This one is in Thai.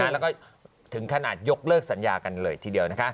แล้วก็ถึงขนาดยกเลิกสัญญากันเลยทีเดียว